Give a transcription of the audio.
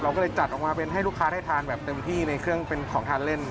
ก็เลยจัดออกมาเป็นให้ลูกค้าได้ทานแบบเต็มที่ในเครื่องเป็นของทานเล่น